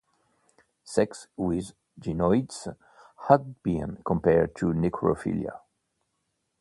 Sex with gynoids has been compared to necrophilia.